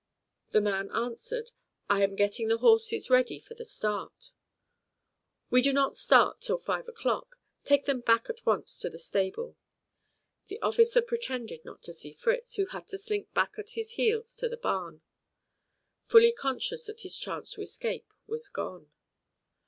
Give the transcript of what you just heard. The man answered, "I am getting the horses ready for the start." "We do not start till five o'clock. Take them back at once to the stable." The officer pretended not to see Fritz, who had to slink back at his heels to the barn, fully conscious that his chance to escape was gone.